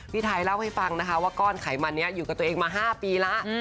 พี่ไทยเล่าให้ฟังนะคะว่าก้อนไขมันนี้อยู่กับตัวเองมา๕ปีแล้ว